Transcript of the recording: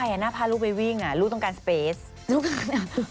น่าไปอ่ะน่าพาลูกไปวิ่งอ่ะลูกต้องการพื้นที่